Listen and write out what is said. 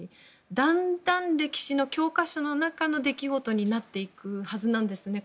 だんだん歴史の教科書の中の出来事になっていくはずなんですね